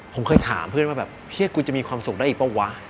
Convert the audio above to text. ผมเคยถามเพื่อนว่าแบบเฮียกกูจะมีความสุขได้อีกเปล่าวะ